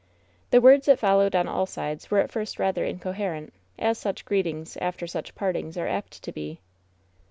The words that followed on all sides were at first rather incoherent, as such greetings after such partings are apt to be.